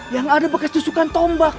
yang ada bekas tusukan tombak